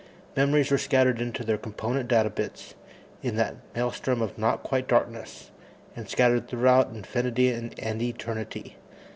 Memories were shattered into their component data bits in that maelstrom of not quite darkness, and scattered throughout infinity and eternity.